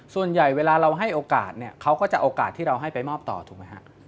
ส่วนใหญ่เวลาเราให้โอกาสเนี่ยเขาก็จะโอกาสที่เราให้ไปมอบต่อถูกไหมฮะ